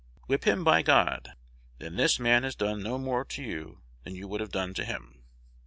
"Whip him, by God!" "Then this man has done no more to you than you would have done to him."